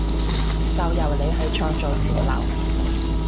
就由你去創造潮流！